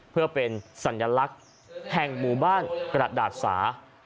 เพื่อเป็นสัญลักษณ์แห่งหมู่บ้านกระดาษสา